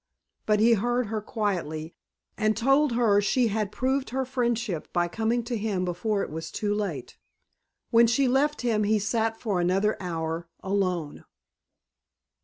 But he heard her quietly, and told her she had proved her friendship by coming to him before it was too late. When she left him he sat for another hour, alone.